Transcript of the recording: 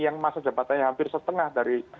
yang masa jabatannya hampir setengah dari